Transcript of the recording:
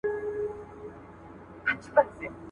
ته باید خپلو وروڼو ته د زړه له کومې درناوی وکړې.